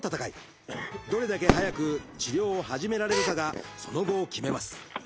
どれだけ早く治療を始められるかがその後を決めます。